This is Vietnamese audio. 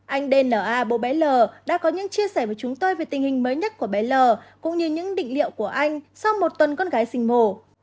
anh dna bố bé l đã có những chia sẻ với chúng tôi về tình hình mới nhất của bél cũng như những định liệu của anh sau một tuần con gái sinh mổ